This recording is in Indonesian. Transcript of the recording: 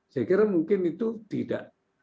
saya kira mungkin itu tidak